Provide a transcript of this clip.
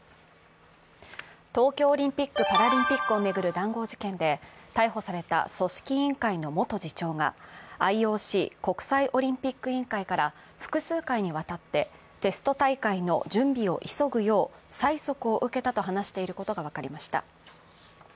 東京オリンピック・パラリンピックを巡る談合事件で、逮捕された組織委員会の元次長がＩＯＣ＝国際オリンピック委員会から複数回にわたってテスト大会の準備を急ぐよう催促を受けたと話していることが分かりました。